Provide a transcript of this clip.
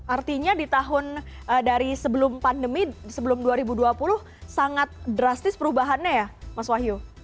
artinya di tahun dari sebelum pandemi sebelum dua ribu dua puluh sangat drastis perubahannya ya mas wahyu